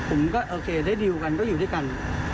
ผมก็โอเคได้ดิวกันก็อยู่ด้วยกัน